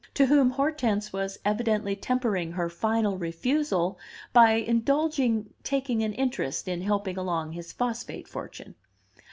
to whom Hortense was evidently tempering her final refusal by indulgently taking an interest in helping along his phosphate fortune.